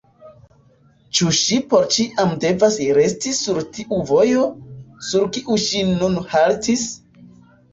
Ĉu ŝi por ĉiam devas resti sur tiu vojo, sur kiu ŝi nun haltis?